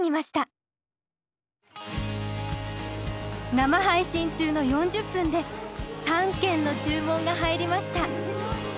生配信中の４０分で３件の注文が入りました。